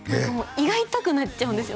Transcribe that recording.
胃が痛くなっちゃうんですよ